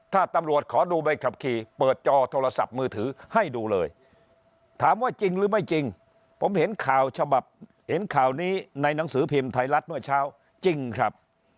ถ้าตำรวจขอดูใบขับขี่เปิดจอโทรศัพท์มือถือให้ดูเลยถามว่าจริงหรือไม่จริงผมเห็นข่าวฉบับเห็นข่าวนี้ในหนังสือพิมพ์ไทยรัฐเมื่อเช้าจริงครับ